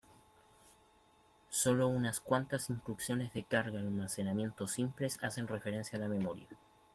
Sólo unas cuantas instrucciones de carga-almacenamiento simples hacen referencia a la memoria.